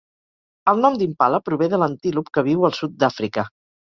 El nom d'Impala prové de l'antílop que viu al sud d'Àfrica.